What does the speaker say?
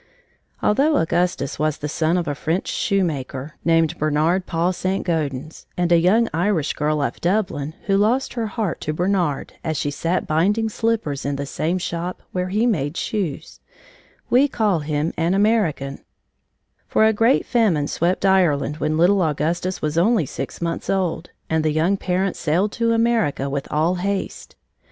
Although Augustus was the son of a French shoemaker, named Bernard Paul St. Gaudens, and a young Irish girl of Dublin, who lost her heart to Bernard as she sat binding slippers in the same shop where he made shoes, we call him an American, for a great famine swept Ireland when little Augustus was only six months old, and the young parents sailed to America with all haste.